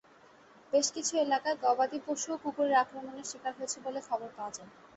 বেশ কিছু এলাকায় গবাদিপশুও কুকুরের আক্রমণের শিকার হয়েছে বলে খবর পাওয়া যায়।